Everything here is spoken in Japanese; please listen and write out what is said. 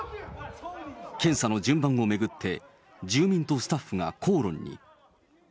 検査の順番を巡って、住民とスタッフが口論に。